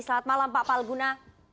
selamat malam pak palguna